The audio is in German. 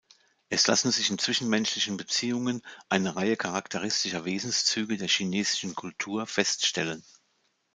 Es lassen sich in zwischenmenschlichen Beziehungen eine Reihe charakteristischer Wesenszüge der chinesischen Kultur feststellen.